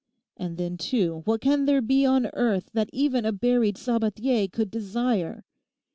And then, too, what can there be on earth that even a buried Sabathier could desire?